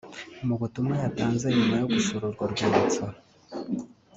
Mu butumwa yatanze nyuma yo gusura urwo rwibutso